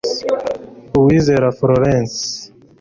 uwizera florence